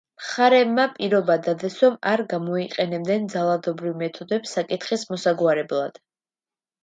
მხარეებმა პირობა დადეს, რომ არ გამოიყენებდნენ ძალადობრივ მეთოდებს საკითხის მოსაგვარებლად.